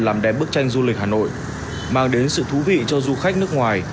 làm đẹp bức tranh du lịch hà nội mang đến sự thú vị cho du khách nước ngoài